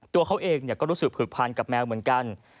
ตัวเขาเองก็รู้สึกผูกพันกับแมวเหมือนกัน